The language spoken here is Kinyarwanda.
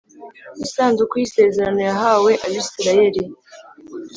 Isanduku y’isezerano yahawe abayisiraheli.